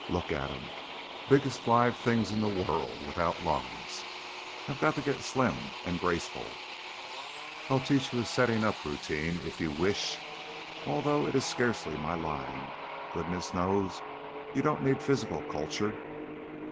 Look at 'em. Biggest live things in the world without lungs! I got to get slim and graceful " "I'll teach you a setting up routine, if you wish, although it is scarcely in my line. Goodness knows you don't need physical culture."